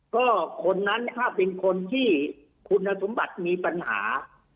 ก็คนนั้นถ้าเป็นคนที่คุณสมบัติมีปัญหา